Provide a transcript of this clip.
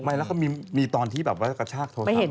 ไม่แล้วก็มีตอนที่แบบว่ากระชากโทรศัพท์